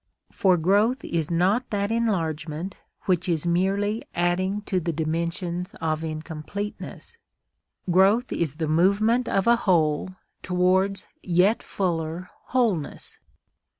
For growth is not that enlargement which is merely adding to the dimensions of incompleteness. Growth is the movement of a whole towards a yet fuller wholeness.